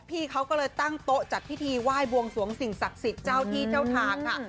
พี่เขาก็เลยตั้งโต๊ะจัดพิธีไหว้บวงสวงสิ่งศักดิ์สิทธิ์เจ้าที่เจ้าทางค่ะ